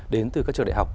đến từ các trường đại học